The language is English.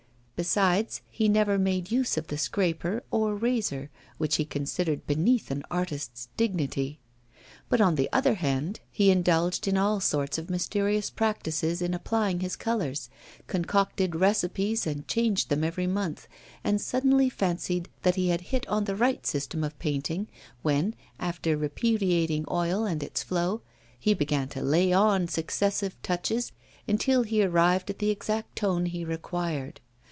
Besides, he never made use of the scraper or razor, which he considered beneath an artist's dignity. But, on the other hand, he indulged in all sorts of mysterious practices in applying his colours, concocted recipes and changed them every month, and suddenly fancied that he had bit on the right system of painting, when, after repudiating oil and its flow, he began to lay on successive touches until he arrived at the exact tone he required.